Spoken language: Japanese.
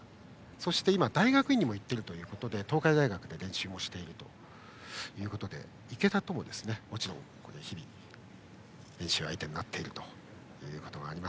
そして今、大学院にも行っているということで東海大学で練習をしているということで池田とも、もちろん日々練習相手になっています。